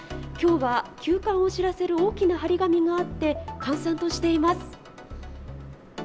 きょうは休館を知らせる大きな貼り紙があって、閑散としています。